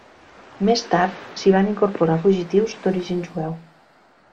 Més tard s'hi van incorporar fugitius d'origen jueu.